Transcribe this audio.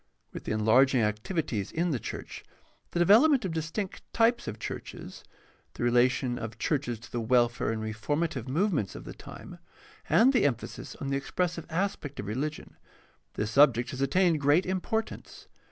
With the enlarging activities in the church, the develop ment of distinct types of churches, the relation of the church to the welfare and reformative movements of the time, and the emphasis on the expressive aspect of religion, this subject has attained great importance.